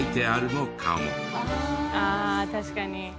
ああ確かに。